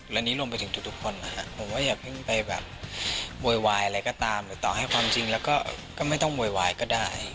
และนี้รวมไปถึงทุกคนนะครับผมว่าอย่าเพิ่งไปแบบโวยวายอะไรก็ตามหรือต่อให้ความจริงแล้วก็ไม่ต้องโวยวายก็ได้